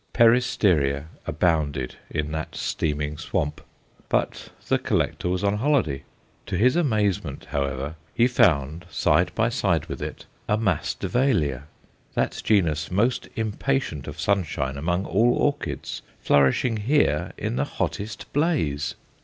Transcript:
Peristeria abounded in that steaming swamp, but the collector was on holiday. To his amazement, however, he found, side by side with it, a Masdevallia that genus most impatient of sunshine among all orchids, flourishing here in the hottest blaze!